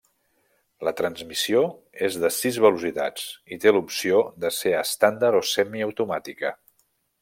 La transmissió és de sis velocitats i té l'opció de ser estàndard o semiautomàtica.